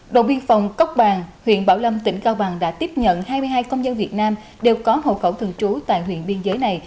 đội biên phòng cốc bàn huyện bảo lâm tỉnh cao bằng đã tiếp nhận hai mươi hai công dân việt nam đều có hộ khẩu thường trú tại huyện biên giới này